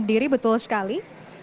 berdiri betul sekali